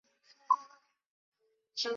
防空火力比起完工时已大幅提高。